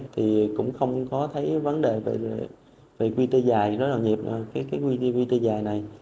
thì cũng không có thấy vấn đề về quy tê dài rối đầu nhịp cái quy tê dài này